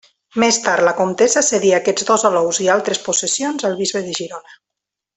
Més tard, la comtessa cedia aquests dos alous i altres possessions al bisbe de Girona.